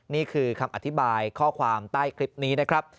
นี่คือคำอธิบายข้อความใต้คลิปนี้นะครับ